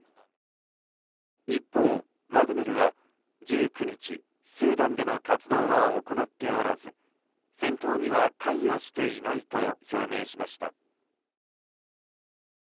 一方、ワグネルは１９日スーダンでの活動は行っておらず戦闘には関与していないと表明しました。